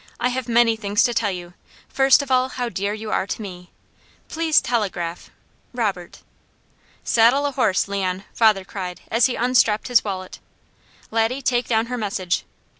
I have many things to tell you, first of all how dear you are to me. Please telegraph. Robert.'" "Saddle a horse, Leon!" father cried as he unstrapped his wallet. "Laddie, take down her message."